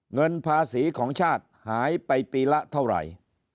เงินภาษีของชาติหายไปปีละเท่าไหร่